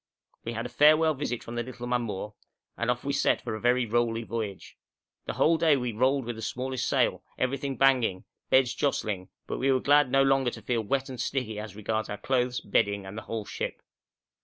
We had a farewell visit from the little mamour, and off we set for a very rolly voyage. The whole day we rolled with the smallest sail, everything banging, beds jostling, but we were glad no longer to feel wet and sticky as regards our clothes, bedding, and the whole ship.